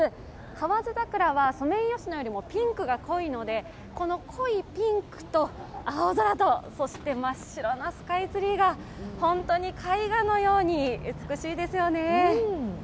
河津桜はソメイヨシノよりもピンクが濃いのでこの濃いピンクと青空と真っ白なスカイツリーが本当に絵画のように美しいですよね。